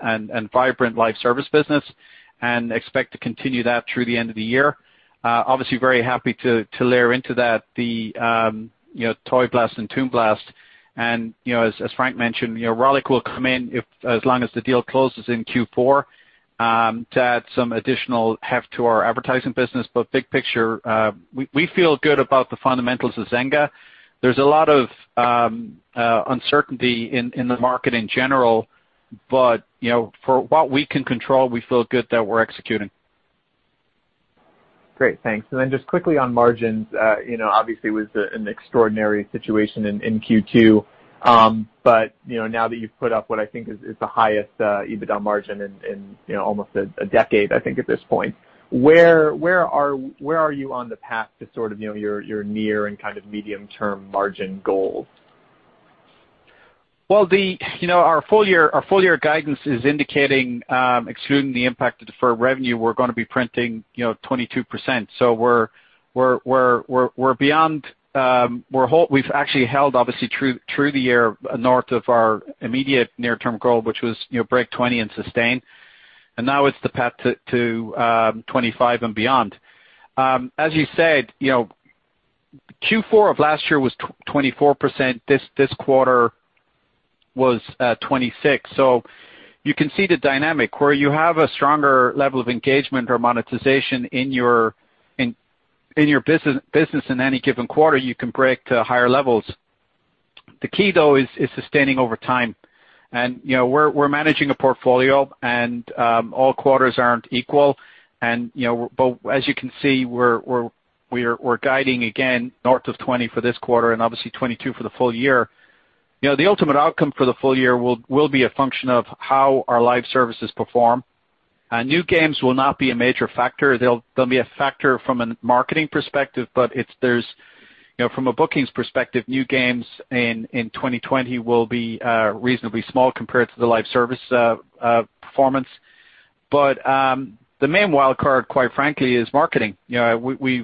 S4: vibrant live service business, and expect to continue that through the end of the year. Obviously, very happy to layer into that the Toy Blast and Toon Blast, and as Frank mentioned, Rollic will come in as long as the deal closes in Q4 to add some additional heft to our advertising business. Big picture, we feel good about the fundamentals of Zynga. There's a lot of uncertainty in the market in general, but for what we can control, we feel good that we're executing.
S11: Great, thanks. Just quickly on margins, obviously it was an extraordinary situation in Q2. Now that you've put up what I think is the highest EBITDA margin in almost a decade, I think at this point. Where are you on the path to sort of your near and kind of medium-term margin goals?
S4: Well, our full year guidance is indicating, excluding the impact of deferred revenue, we're going to be printing 22%. We've actually held, obviously, through the year north of our immediate near-term goal, which was break 20% and sustain. Now it's the path to 25% and beyond. As you said, Q4 of last year was 24%. This quarter was 26%. You can see the dynamic where you have a stronger level of engagement or monetization in your business in any given quarter, you can break to higher levels. The key, though, is sustaining over time. We're managing a portfolio, and all quarters aren't equal. But as you can see, we're guiding again north of 20% for this quarter and obviously 22% for the full year. The ultimate outcome for the full year will be a function of how our live services perform. New games will not be a major factor. They'll be a factor from a marketing perspective, but from a bookings perspective, new games in 2020 will be reasonably small compared to the live service performance. The main wild card, quite frankly, is marketing. As we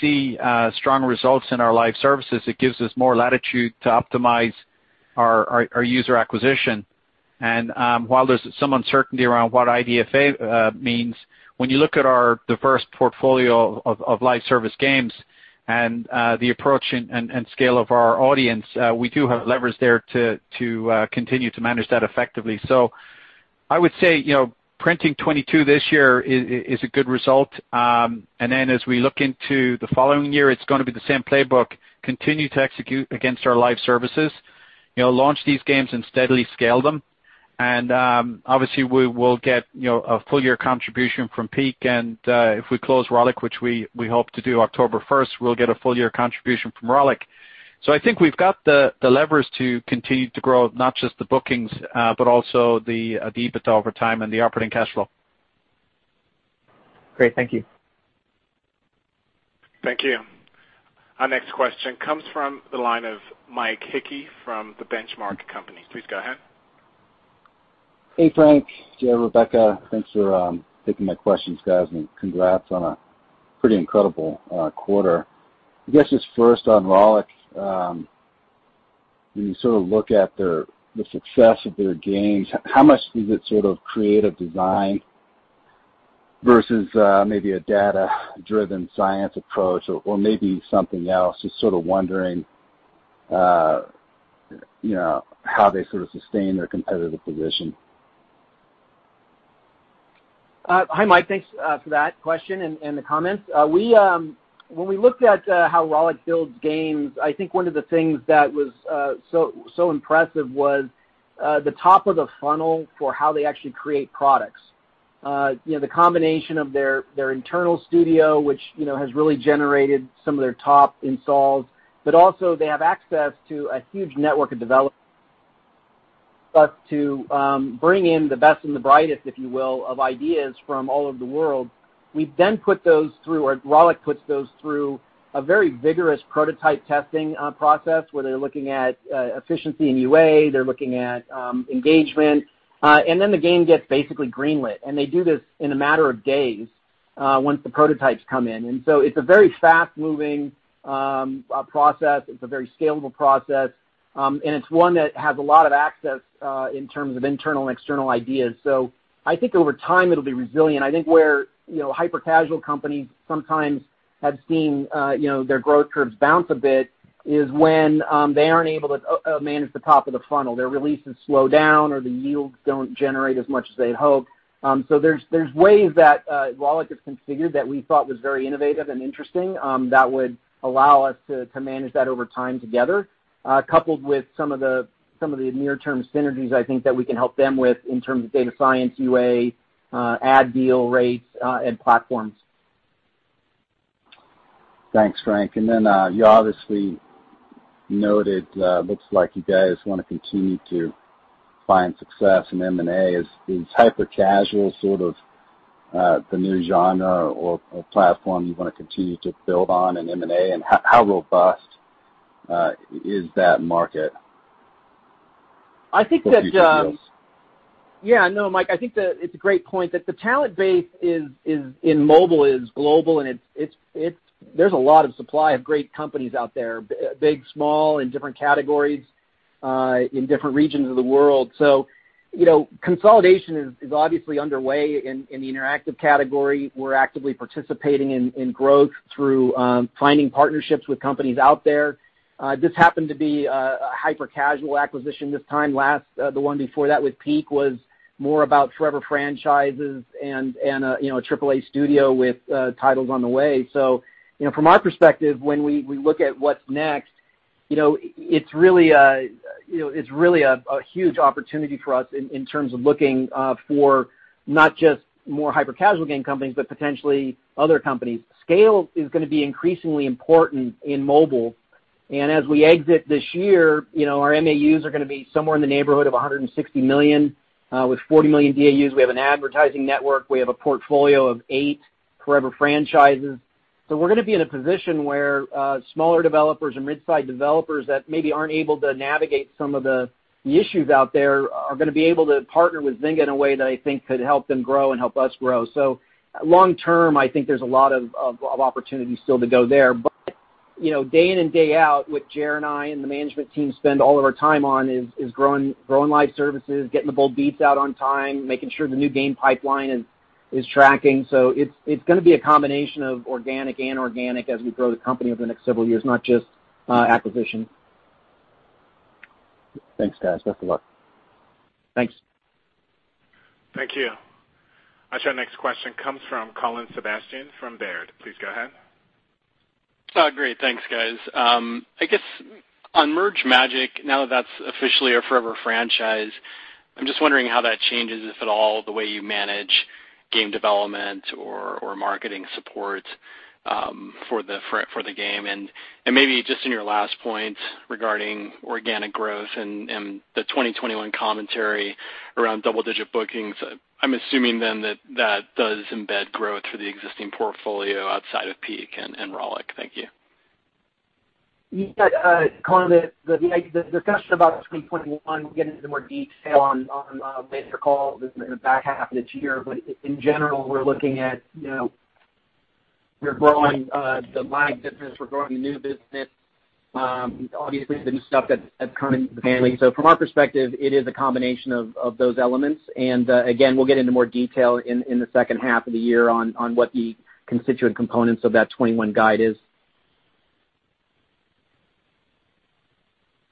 S4: see stronger results in our live services, it gives us more latitude to optimize our user acquisition. While there's some uncertainty around what IDFA means, when you look at our diverse portfolio of live service games and the approach and scale of our audience, we do have levers there to continue to manage that effectively. I would say, printing 22 this year is a good result. As we look into the following year, it's going to be the same playbook, continue to execute against our live services, launch these games and steadily scale them. Obviously, we will get a full year contribution from Peak, and if we close Rollic, which we hope to do October 1st, we'll get a full year contribution from Rollic. I think we've got the levers to continue to grow, not just the bookings, but also the EBITDA over time and the operating cash flow.
S11: Great. Thank you.
S1: Thank you. Our next question comes from the line of Mike Hickey from The Benchmark Company. Please go ahead.
S12: Hey, Frank. Hey, Rebecca. Thanks for taking my questions, guys, congrats on a pretty incredible quarter. I guess just first on Rollic. When you sort of look at the success of their games, how much is it sort of creative design versus maybe a data-driven science approach or maybe something else? Just sort of wondering how they sort of sustain their competitive position.
S3: Hi, Mike. Thanks for that question and the comments. When we looked at how Rollic builds games, I think one of the things that was so impressive was the top of the funnel for how they actually create products. The combination of their internal studio, which has really generated some of their top installs. Also they have access to a huge network of developers to bring in the best and the brightest, if you will, of ideas from all over the world. Rollic puts those through a very vigorous prototype testing process, where they're looking at efficiency in UA, they're looking at engagement. Then the game gets basically green-lit, and they do this in a matter of days once the prototypes come in. It's a very fast-moving process, it's a very scalable process, and it's one that has a lot of access in terms of internal and external ideas. I think over time it'll be resilient. I think where hyper-casual companies sometimes have seen their growth curves bounce a bit is when they aren't able to manage the top of the funnel. Their releases slow down or the yields don't generate as much as they had hoped. There's ways that Rollic is configured that we thought was very innovative and interesting that would allow us to manage that over time together, coupled with some of the near-term synergies I think that we can help them with in terms of data science, UA, ad deal rates, and platforms.
S12: Thanks, Frank. You obviously noted, looks like you guys want to continue to find success in M&A. Is hyper-casual sort of the new genre or platform you want to continue to build on in M&A? How robust is that market?
S3: Mike, I think that it's a great point that the talent base in mobile is global, and there's a lot of supply of great companies out there, big, small, in different categories, in different regions of the world. Consolidation is obviously underway in the interactive category. We're actively participating in growth through finding partnerships with companies out there. This happened to be a hyper-casual acquisition this time. The one before that with Peak was more about forever franchises and a AAA studio with titles on the way. From our perspective, when we look at what's next, it's really a huge opportunity for us in terms of looking for not just more hyper-casual game companies, but potentially other companies. Scale is going to be increasingly important in mobile. As we exit this year, our MAUs are going to be somewhere in the neighborhood of 160 million with 40 million DAUs. We have an advertising network. We have a portfolio of eight forever franchises. We're going to be in a position where smaller developers and midsize developers that maybe aren't able to navigate some of the issues out there are going to be able to partner with Zynga in a way that I think could help them grow and help us grow. Long term, I think there's a lot of opportunity still to go there. Day in and day out, what Gerard and I and the management team spend all of our time on is growing live services, getting the bold beats out on time, making sure the new game pipeline is tracking. It's going to be a combination of organic and inorganic as we grow the company over the next several years, not just acquisition.
S12: Thanks, guys. Best of luck.
S3: Thanks.
S1: Thank you. Our next question comes from Colin Sebastian from Baird. Please go ahead.
S13: Great. Thanks, guys. I guess on Merge Magic!, now that that's officially a forever franchise, I'm just wondering how that changes, if at all, the way you manage game development or marketing support for the game. Maybe just in your last point regarding organic growth and the 2021 commentary around double-digit bookings, I'm assuming then that that does embed growth for the existing portfolio outside of Peak and Rollic. Thank you.
S3: Yeah, Colin, the discussion about 2021, we'll get into more detail on the investor call in the back half of this year. In general, we're growing the live business, we're growing the new business. Obviously, the new stuff that's coming to the family. From our perspective, it is a combination of those elements. Again, we'll get into more detail in the second half of the year on what the constituent components of that 2021 guide is.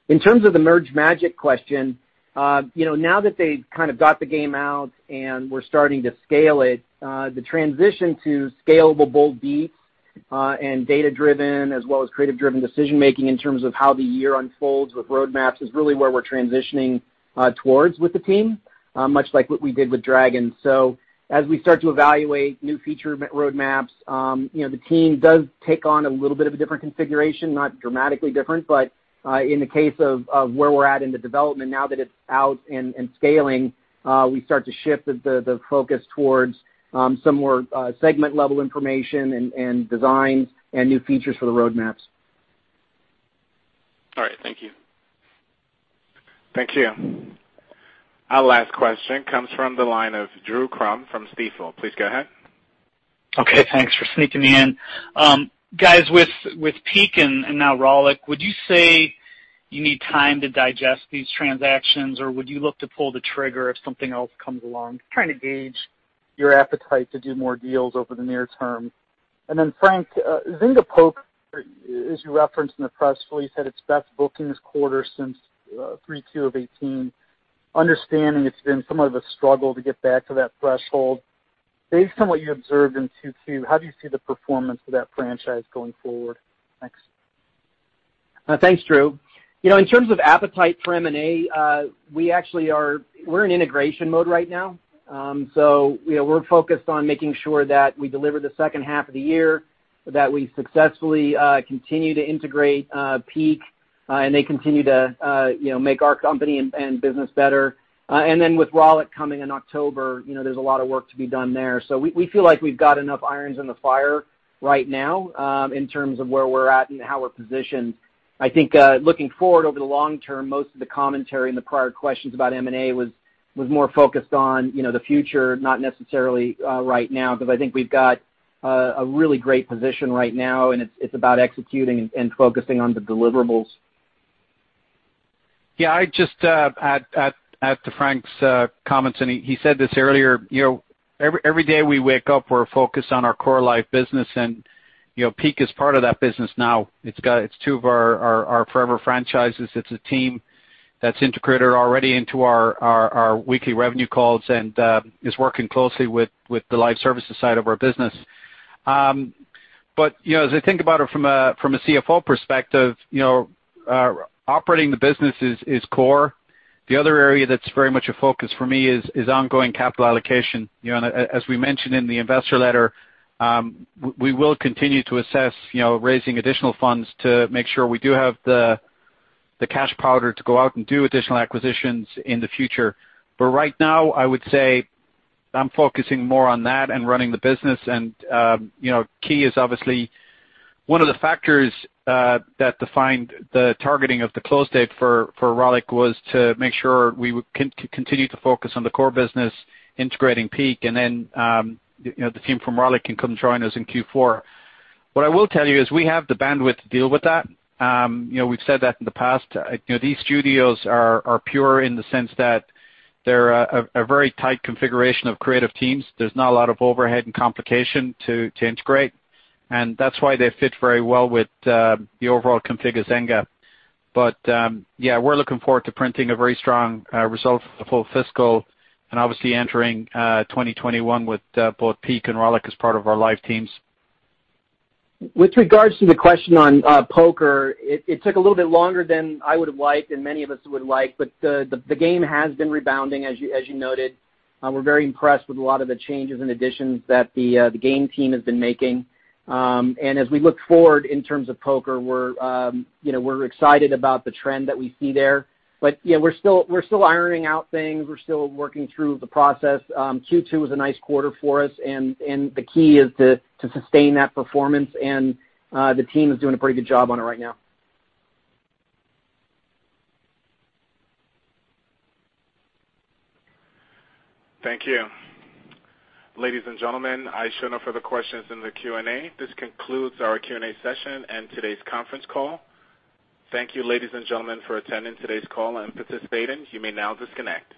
S3: In terms of the Merge Magic! question, now that they kind of got the game out and we're starting to scale it, the transition to scalable bold beats and data-driven as well as creative-driven decision-making in terms of how the year unfolds with roadmaps is really where we're transitioning towards with the team, much like what we did with Dragon. As we start to evaluate new feature roadmaps, the team does take on a little bit of a different configuration, not dramatically different, but in the case of where we're at in the development, now that it's out and scaling, we start to shift the focus towards some more segment-level information and designs and new features for the roadmaps.
S13: All right. Thank you.
S1: Thank you. Our last question comes from the line of Drew Crum from Stifel. Please go ahead.
S14: Okay. Thanks for sneaking me in. Guys, with Peak and now Rollic, would you say you need time to digest these transactions, or would you look to pull the trigger if something else comes along? Trying to gauge your appetite to do more deals over the near term. Frank, Zynga Poker, as you referenced in the press release, had its best bookings quarter since 3Q of 2018. Understanding it's been somewhat of a struggle to get back to that threshold, based on what you observed in 2Q, how do you see the performance of that franchise going forward? Thanks.
S3: Thanks, Drew. In terms of appetite for M&A, we're in integration mode right now. We're focused on making sure that we deliver the second half of the year, that we successfully continue to integrate Peak, and they continue to make our company and business better. Then with Rollic coming in October, there's a lot of work to be done there. We feel like we've got enough irons in the fire right now in terms of where we're at and how we're positioned. I think looking forward over the long term, most of the commentary in the prior questions about M&A was more focused on the future, not necessarily right now, because I think we've got a really great position right now, and it's about executing and focusing on the deliverables.
S4: Yeah, I'd just add to Frank's comments. He said this earlier. Every day we wake up, we're focused on our core live business and Peak is part of that business now. It's two of our forever franchises. It's a team that's integrated already into our weekly revenue calls and is working closely with the live services side of our business. As I think about it from a CFO perspective, operating the business is core. The other area that's very much a focus for me is ongoing capital allocation. As we mentioned in the investor letter, we will continue to assess raising additional funds to make sure we do have the cash powder to go out and do additional acquisitions in the future. Right now, I would say I'm focusing more on that and running the business. Key is obviously one of the factors that defined the targeting of the close date for Rollic was to make sure we continue to focus on the core business, integrating Peak, and then the team from Rollic can come join us in Q4. What I will tell you is we have the bandwidth to deal with that. We've said that in the past. These studios are pure in the sense that they're a very tight configuration of creative teams. There's not a lot of overhead and complication to integrate, and that's why they fit very well with the overall config of Zynga. Yeah, we're looking forward to printing a very strong result for the full fiscal and obviously entering 2021 with both Peak and Rollic as part of our live teams.
S3: With regards to the question on poker, it took a little bit longer than I would have liked and many of us would like, the game has been rebounding, as you noted. We're very impressed with a lot of the changes and additions that the game team has been making. As we look forward in terms of poker, we're excited about the trend that we see there. Yeah, we're still ironing out things. We're still working through the process. Q2 was a nice quarter for us, the key is to sustain that performance, the team is doing a pretty good job on it right now.
S1: Thank you. Ladies and gentlemen, I show no further questions in the Q&A. This concludes our Q&A session and today's conference call. Thank you, ladies and gentlemen, for attending today's call and participating. You may now disconnect.